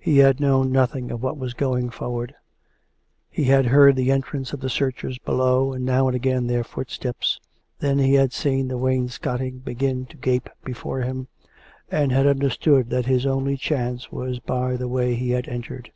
He had known noth ing of what was going forward. He had heard the en trance of the searchers below, and now and again their footsteps. ... Then he had seen the wainscoting begin to gape before him, and had understood that his only chance was by the way he had entered.